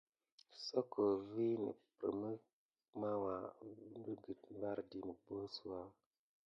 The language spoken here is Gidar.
Soko vikeppremk màwuà nəgət mbardi mubosuwa.